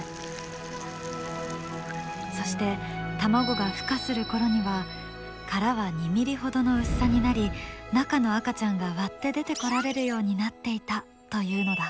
そして卵がふ化する頃には殻は２ｍｍほどの薄さになり中の赤ちゃんが割って出てこられるようになっていたというのだ。